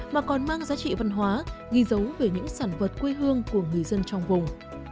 mà còn mang giá trị văn hóa ghi dấu về những sản vật quê hương của người dân trong vùng